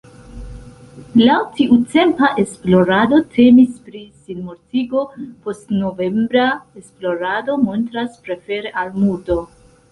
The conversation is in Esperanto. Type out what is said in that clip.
Laŭ tiutempa esplorado temis pri sinmortigo, postnovembra esplorado montras prefere al murdo.